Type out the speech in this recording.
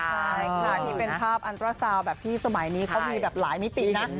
ใช่ค่ะนี่เป็นภาพอันตราซาวแบบที่สมัยนี้เขามีแบบหลายมิตินะ